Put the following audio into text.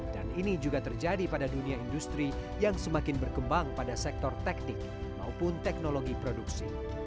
dan ini juga terjadi pada dunia industri yang semakin berkembang pada sektor teknik maupun teknologi produksi